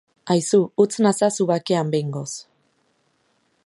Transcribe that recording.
Aizu, utz nazazu bakean behingoz!